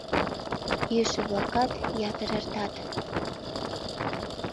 Йӱшӧ-влакат ятыр эртат.